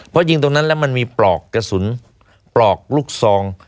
เพราะยิงตรงนั้นแล้วมันมีปลอกกระสุนปลอกลูกซอง